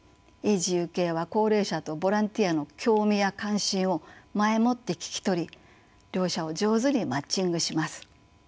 ＡｇｅＵＫは高齢者とボランティアの興味や関心を前もって聞き取り両者を上手にマッチングします。